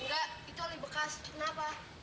enggak itu ali bekas kenapa